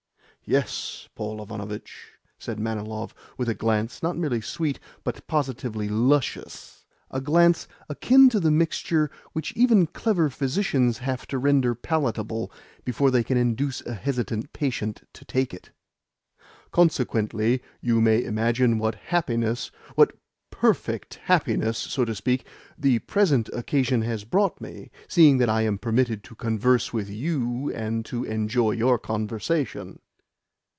'" "Yes, Paul Ivanovitch," said Manilov with a glance not merely sweet, but positively luscious a glance akin to the mixture which even clever physicians have to render palatable before they can induce a hesitant patient to take it. "Consequently you may imagine what happiness what PERFECT happiness, so to speak the present occasion has brought me, seeing that I am permitted to converse with you and to enjoy your conversation."